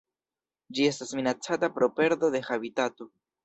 Ĝi estas minacata pro perdo de habitato.